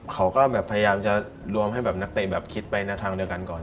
เขาก็พยายามจะรวมให้นักเตะคิดไปทางเดียวกันก่อน